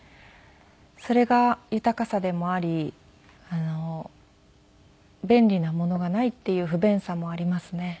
それが豊かさでもあり便利なものがないっていう不便さもありますね。